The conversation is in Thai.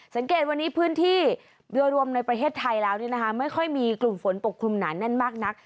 สังเกตวันนี้พื้นที่โดยรวมในประเทศไทยแล้วไม่ค่อยมีกลุ่มฝนปกคลุมหนาแน่นมากนัก